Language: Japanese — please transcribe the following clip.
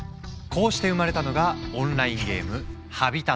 こうして生まれたのがオンラインゲーム「ＨＡＢＩＴＡＴ」。